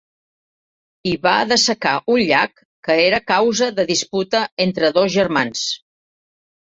I va dessecar un llac que era causa de disputa entre dos germans.